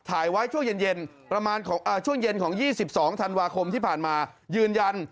ถ่ายไว้ช่วงเย็นประมาณช่วงเย็นของ๒๒ธันวาคมที่ผ่านมายืนยัน